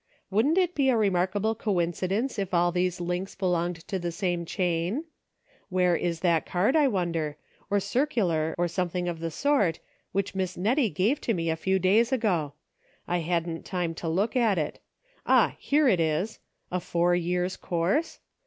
Wouldn't it be a remarkable coincidence if all these links belonged to the same chain .■* Where is that card, I wonder, or circular, or something of tlie sort, which Miss Nettie gave me a few days ago } I hadn't time to look at it ; ah ! here it is. A four years course